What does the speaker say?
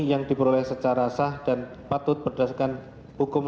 yang diperoleh secara sah dan patut berdasarkan hukum